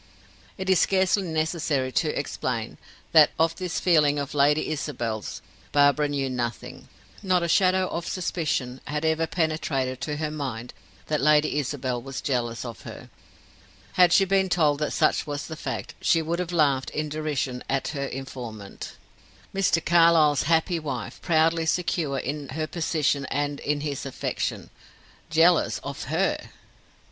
It is scarcely necessary to explain, that of this feeling of Lady Isabel's Barbara knew nothing; not a shadow of suspicion had ever penetrated to her mind that Lady Isabel was jealous of her. Had she been told that such was the fact, she would have laughed in derision at her informant. Mr. Carlyle's happy wife, proudly secure in her position and in his affection, jealous of her!